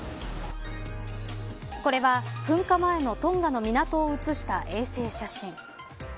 これは、噴火前のトンガの港を写した衛星写真。